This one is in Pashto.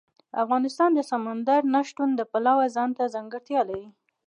افغانستان د سمندر نه شتون د پلوه ځانته ځانګړتیا لري.